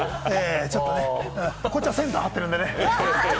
ちょっとね、こっちはセンター張ってるんでね。